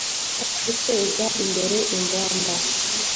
ndetse no guteza imbere inganda